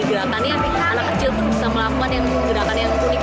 gerakan yang anak kecil bisa melakukan gerakan yang unik